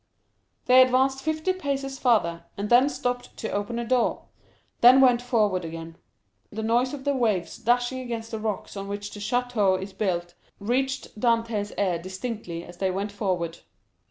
They advanced fifty paces farther, and then stopped to open a door, then went forward again. The noise of the waves dashing against the rocks on which the château is built, reached Dantès' ear distinctly as they went forward.